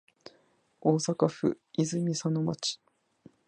大阪府泉佐野市